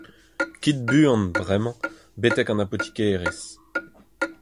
Kit buan bremañ betek an apotikerezh.